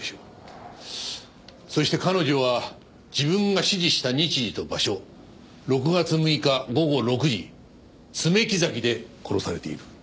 そして彼女は自分が指示した日時と場所６月６日午後６時爪木崎で殺されている。